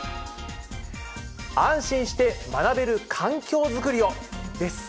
安心して学べる環境づくりを！です。